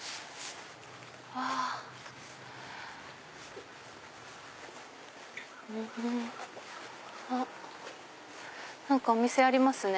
あっ何かお店ありますね。